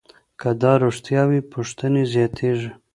که دا رښتیا وي، پوښتنې زیاتېږي.